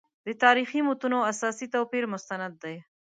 د تاریخي متونو اساسي توپیر مستند دی.